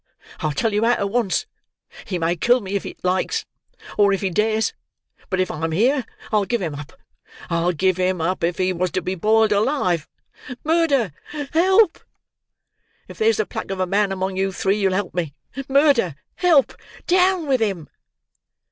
I tell you out at once. He may kill me for it if he likes, or if he dares, but if I am here I'll give him up. I'd give him up if he was to be boiled alive. Murder! Help! If there's the pluck of a man among you three, you'll help me. Murder! Help! Down with him!"